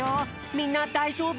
みんなだいじょうぶ？